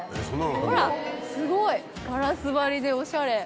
ほらすごいガラス張りでおしゃれ。